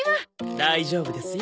大丈夫ですよ。